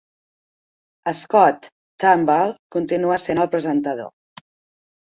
Scott Turnbull continua sent el presentador.